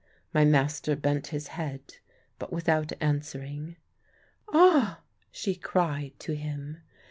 My master bent his head, but without answering. "Ah!" she cried to him.